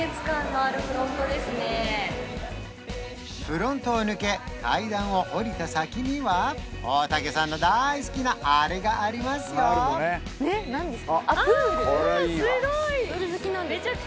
フロントを抜け階段を下りた先には大竹さんの大好きなあれがありますよあ！